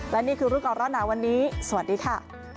และนี่คือรูปก่อนร้อนหนาวันนี้สวัสดีค่ะ